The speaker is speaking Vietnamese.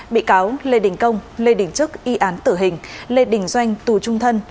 bị cáo lê đình công lê đình trức y án tử hình lê đình doanh tù trung thân